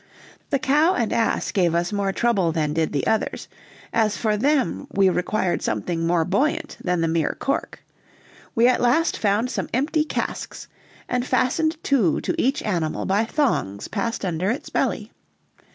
The cow and ass gave us more trouble than did the others, as for them we required something more buoyant than the mere cork; we at last found some empty casks and fastened two to each animal by thongs passed under its belly.